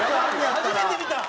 初めて見た！